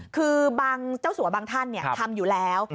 คือเจ้าสัวรรค์บางท่านทำอยู่แล้ว